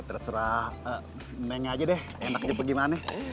ya terserah neng aja deh enaknya bagaimana